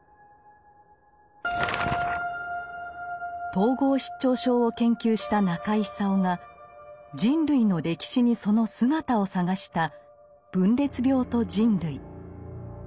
統合失調症を研究した中井久夫が人類の歴史にその姿を探した「分裂病と人類」。